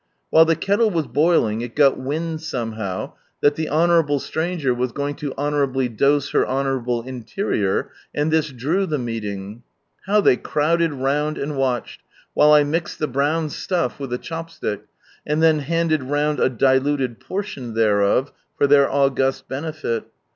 While the kettle was boiling, it got wind somehow, that the honourable stranger was going to honourably dose her honourable interior, and this " drew " the meeting ! How they crowded round and watched, while I mixed the brown stuff with a chopstick, and then handed round a diluted portion thereof With one Bare Telling '57 for their aogtist benefit.